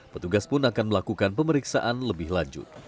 petugas pun akan melakukan pemeriksaan lebih lanjut